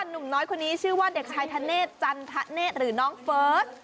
หนุ่มน้อยคนนี้ชื่อว่าเด็กชายธเนธจันทะเนธหรือน้องเฟิร์ส